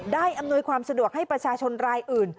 อำนวยความสะดวกให้ประชาชนรายอื่น